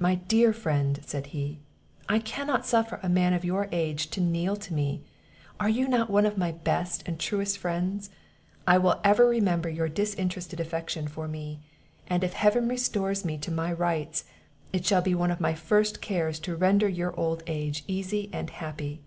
my dear friend!" said he, "I cannot suffer a man of your age to kneel to me; are you not one of my best and truest friends? I will ever remember your disinterested affection for me; and if heaven restores me to my rights, it shall be one of my first cares to render your old age easy and happy."